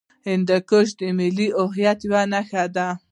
هندوکش د ملي هویت یوه نښه ده.